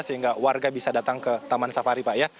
sehingga warga bisa datang ke taman safari pak ya